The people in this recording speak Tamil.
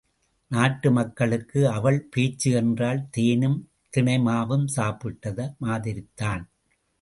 நாட்டு மக்களுக்கு அவள் பேச்சு என்றால் தேனும் தினைமாவும் சாப்பிட்டது மாதிரிதான்!...